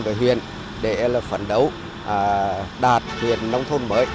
với huyện để phấn đấu đạt huyện nông thôn mới